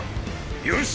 よし！！